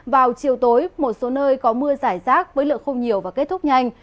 vào chiều tối một số nơi có mưa giải rác với lượng không nhiều và kết thúc nhanh